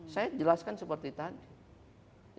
saya jelaskan seperti tadi